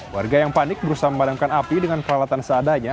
warga yang panik berusaha memadamkan api dengan peralatan seadanya